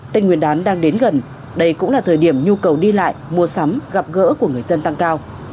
tên nguyên đán đang đến gần đây cũng là thời điểm nhu cầu đi lại mua sắm gặp gỡ của người dân tăng cao